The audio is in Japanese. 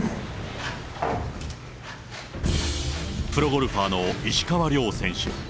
プロゴルファーの石川遼選手。